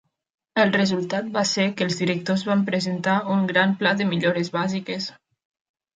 El resultat va ser que els directors van presentar un gran pla de millores bàsiques.